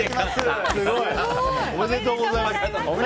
おめでとうございます。